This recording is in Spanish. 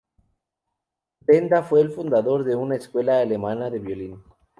Benda fue el fundador de una escuela alemana de violín.